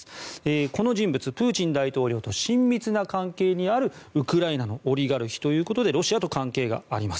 この人物、プーチン大統領と親密な関係にあるウクライナのオリガルヒということでロシアと関係があります。